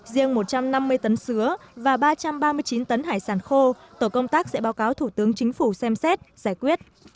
riêng một trăm năm mươi tấn xúa và ba trăm ba mươi chín tấn hải sản khô tổ công tác sẽ báo cáo thủ tướng chính phủ xem xét giải quyết